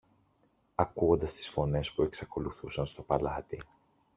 ακούοντας τις φωνές που εξακολουθούσαν στο παλάτι.